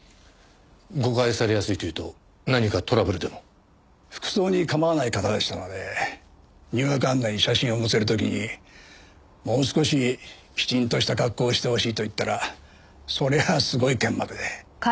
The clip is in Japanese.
誤解されやすいというと何かトラブルでも？服装に構わない方でしたので入学案内に写真を載せる時にもう少しきちんとした格好をしてほしいと言ったらそりゃあすごい剣幕で。